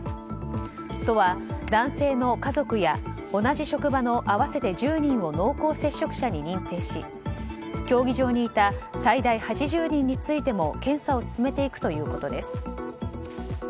都は男性の家族や同じ職場の合わせて１０人を濃厚接触者に認定し競技場にいた最大８０人についても検査を進めていくということです。